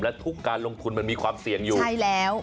และทุกการลงทุนมันมีความเสี่ยงอยู่ใช่แล้ว